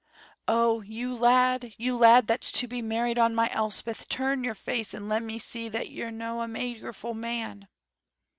Oh! you lad, you lad that's to be married on my Elspeth, turn your face and let me see that you're no' a magerful man!"